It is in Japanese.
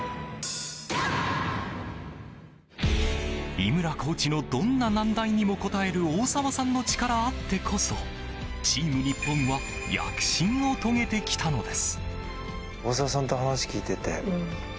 井村コーチのどんな難題にも応える大沢さんの力あってこそチーム日本は躍進を遂げてきたのです。